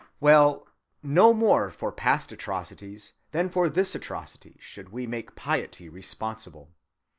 Well, no more for past atrocities than for this atrocity should we make piety responsible.